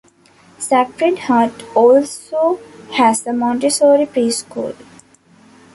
Sacred Heart also has a Montessori preschool.